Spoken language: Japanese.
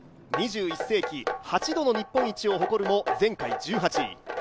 ２１世紀８度の日本一を誇るも前回１８位。